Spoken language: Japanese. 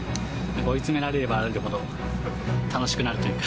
追い詰められればられるほど楽しくなるというか。